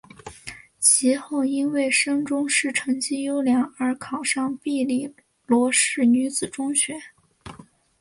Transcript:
及后因为升中试成绩优良而考上庇理罗士女子中学。